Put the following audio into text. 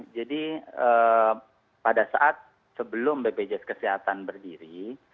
jadi pada saat sebelum bpjs kesehatan berdiri